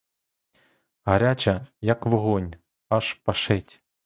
Гаряча, як вогонь, — аж пашить!